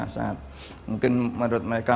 sangat mungkin menurut mereka